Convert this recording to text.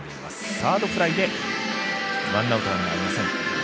サードフライでワンアウト、ランナーありません。